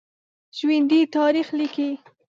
ژوندي تاریخ لیکي